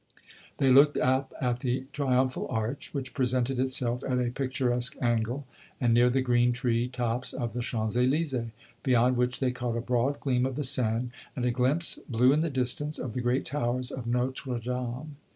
They looked up at the triumphal Arch, which presented itself at a picturesque angle, and near the green tree tops of the Champs Elysees, beyond which they caught a broad gleam of the Seine and a glimpse, blue in the distance, of the great towers of Notre Dame.